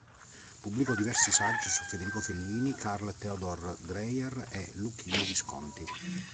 Pubblicò diversi saggi su Federico Fellini, Carl Theodor Dreyer e Luchino Visconti.